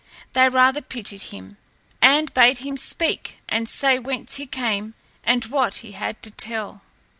they rather pitied him, and bade him speak and say whence he came and what he had to tell.